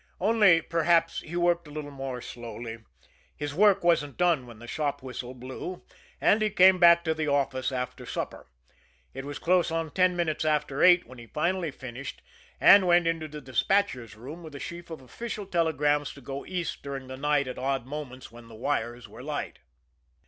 Only, perhaps, he worked a little more slowly his work wasn't done when the shop whistle blew and he came back to the office after supper. It was close on ten minutes after eight when he finally finished, and went into the despatcher's room with the sheaf of official telegrams to go East during the night at odd moments when the wires were light.